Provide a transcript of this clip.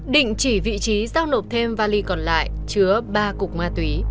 định chỉ vị trí giao nộp thêm vali còn lại chứa ba cục ma túy